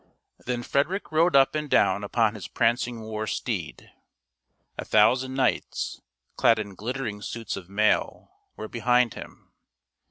Then Frederick rode up and down upon his prancing war steed. A thousand knights, clad in glittering suits of mail, were behind him.